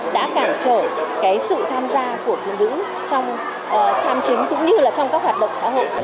đã cản trở cái sự tham gia của phụ nữ trong tham chính cũng như là trong các hoạt động xã hội